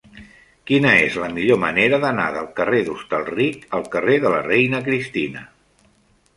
Quina és la millor manera d'anar del carrer d'Hostalric al carrer de la Reina Cristina?